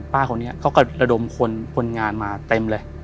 ป้าคนนี้เขาก็ระดมคนงานมาเต็มเลย